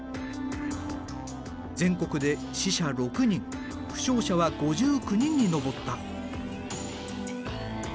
全国で死者６人負傷者は５９人に上った。